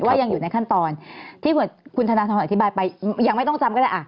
ยังอยู่ในขั้นตอนที่เผื่อคุณธนทรอธิบายไปยังไม่ต้องจำก็ได้